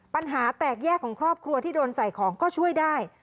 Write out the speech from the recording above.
ปัญหาแตกแยกของครอบครัวที่โดนใส่ของก็ช่วยได้